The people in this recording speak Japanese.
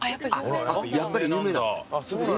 やっぱり有名だ。